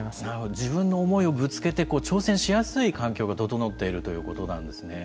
自分の思いをぶつけて挑戦しやすい環境が整っているということなんですね。